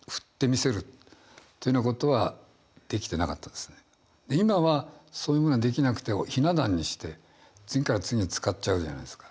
五七五になるとか今はそういうものができなくてひな壇にして次から次へ使っちゃうじゃないですか。